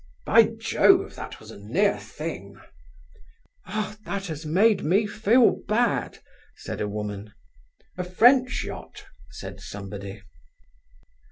"By Jove, that was a near thing!" "Ah, that has made me feel bad!" said a woman. "A French yacht," said somebody.